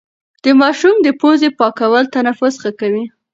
د ماشوم د پوزې پاکول تنفس ښه کوي.